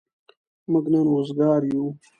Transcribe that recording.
موږ نن وزگار يو.